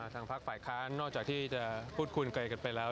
ทางภาคฝ่ายค้านนอกจากที่จะพูดคุยไกลกันไปแล้ว